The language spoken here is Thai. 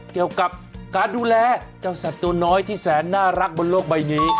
เกี่ยวกับการดูแลเจ้าสัตว์ตัวน้อยที่แสนน่ารักบนโลกใบนี้